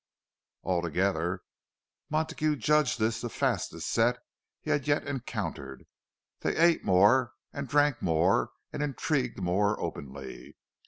All together, Montague judged this the "fastest" set he had yet encountered; they ate more and drank more and intrigued more openly.